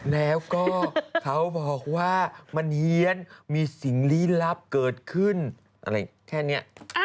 แล้วก็เขาบอกว่ามันเฮียนมีสิ่งลี้ลับเกิดขึ้นอะไรแค่นี้